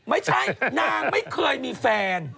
ไม่ใช่นางไม่เคยมีแฟน